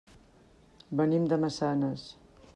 Venim de Massanes.